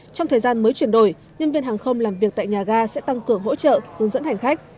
trong thời gian mới chuyển đổi nhân viên hàng không làm việc tại nhà ga sẽ tăng cường hỗ trợ hướng dẫn hành khách